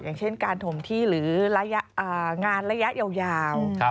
อย่างเช่นการถมที่หรืองานระยะยาว